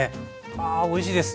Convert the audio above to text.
あおいしいです。